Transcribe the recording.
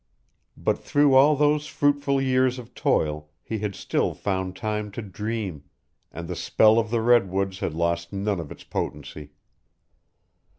But through all those fruitful years of toil he had still found time to dream, and the spell of the redwoods had lost none of its potency.